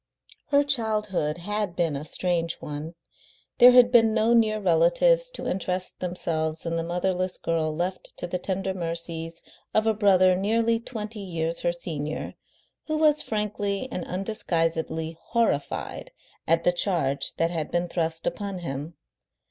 Her childhood had been a strange one. There had been no near relatives to interest themselves in the motherless girl left to the tender mercies of a brother nearly twenty years her senior, who was frankly and undisguisedly horrified at the charge that had been thrust upon him.